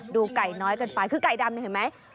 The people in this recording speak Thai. ดูไก่น้อยกันไปคือไก่ดำเนี่ยเห็นไหม